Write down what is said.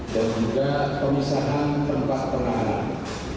dan juga pemisahan tempat penanganan